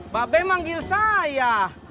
bapak b menggil saya